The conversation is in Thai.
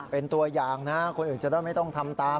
เป็นตัวอย่างนะคนอื่นจะได้ไม่ต้องทำตาม